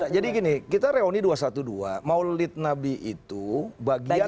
jadi gini kita reuni dua ratus dua belas maulid nabi itu bagian dari acara